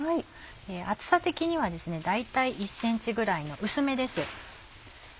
厚さ的にはですね大体１ｃｍぐらいの薄めです。